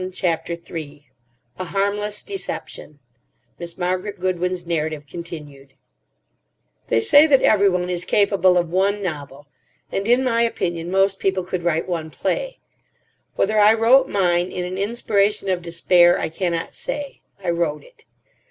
CHAPTER 3 A HARMLESS DECEPTION (Miss Margaret Goodwin's narrative continued) They say that everyone is capable of one novel. And, in my opinion, most people could write one play. Whether I wrote mine in an inspiration of despair, I cannot say. I wrote it.